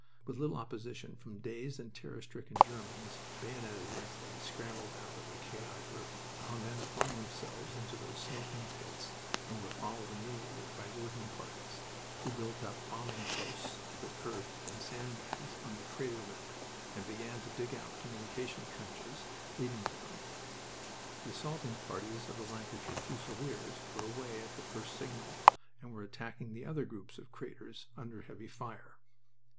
With little opposition from dazed and terror stricken Germans, bayoneted as they scrambled out of the chaotic earth, our men flung themselves into those smoking pits and were followed immediately by working parties, who built up bombing posts with earth and sand bags on the crater lip and began to dig out communication trenches leading to them. The assaulting parties of the Lancashire Fusiliers were away at the first signal, and were attacking the other groups of craters under heavy fire.